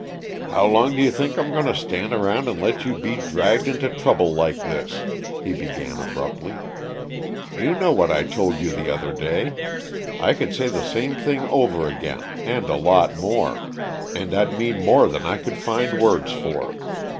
"How long do you think I'm going to stand around and let you be dragged into trouble like this?" he began abruptly. "You know what I told you the other day I could say the same thing over again, and a lot more; and I'd mean more than I could find words for.